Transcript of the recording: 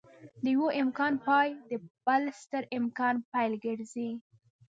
د يوه امکان پای د بل ستر امکان پيل ګرځي.